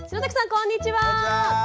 こんにちは。